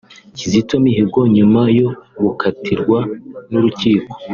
Kizito Mihigo nyuma yo gukatirwa n’urukiko